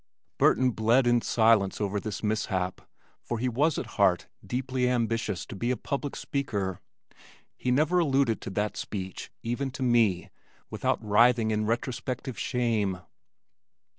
Burton bled in silence over this mishap for he was at heart deeply ambitious to be a public speaker. He never alluded to that speech even to me without writhing in retrospective shame.